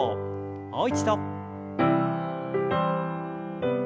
もう一度。